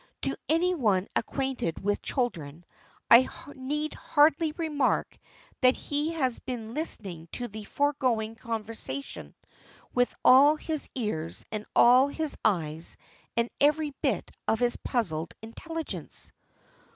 To anyone acquainted with children I need hardly remark that he has been listening to the foregoing conversation with all his ears and all his eyes and every bit of his puzzled intelligence.